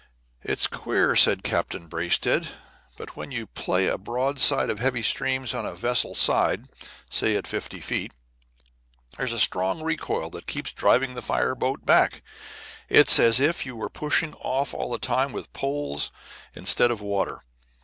"It's queer," said Captain Braisted, "but when you play a broadside of heavy streams on a vessel's side, say at fifty feet, there's a strong recoil that keeps driving the fire boat back. It's as if you were pushing off all the time with poles instead of water.